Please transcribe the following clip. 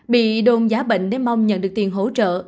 bị đôn giá bệnh để mong nhận được tiền hỗ trợ